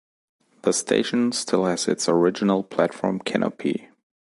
The station still has its original platform canopy.